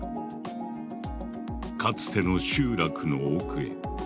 かつての集落の奥へ。